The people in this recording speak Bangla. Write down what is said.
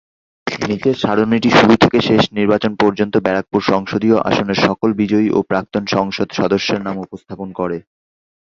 নিচের সারণীটি শুরু থেকে শেষ নির্বাচন পর্যন্ত ব্যারাকপুর সংসদীয় আসনের সকল বিজয়ী ও প্রাক্তন সংসদ সদস্যের নাম উপস্থাপন করে।